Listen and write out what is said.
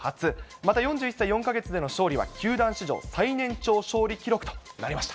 また４１歳４か月での勝利は球団史上最年長勝利記録となりました。